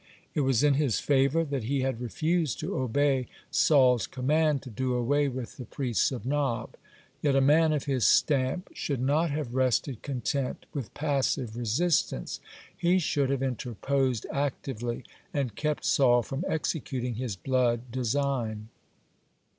It was in his favor that he had refused to obey Saul's command to do away with the priests of Nob. (92) Yet a man of his stamp should not have rested content with passive resistance. He should have interposed actively, and kept Saul from executing his blood design.